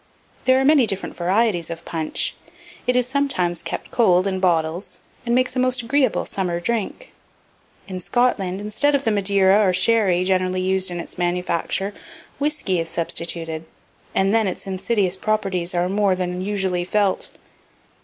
There are many different varieties of punch. It is sometimes kept cold in bottles, and makes a most agreeable summer drink. In Scotland, instead of the Madeira or sherry generally used in its manufacture, whiskey is substituted, and then its insidious properties are more than usually felt.